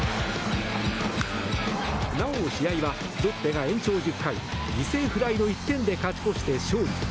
なお、試合はロッテが延長１０回犠牲フライの１点で勝ち越して勝利。